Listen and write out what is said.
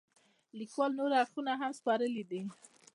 لیکوال نور اړخونه هم سپړلي دي.